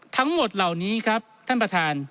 ทั้งหมดเหล่านี้ครับท่านประธาน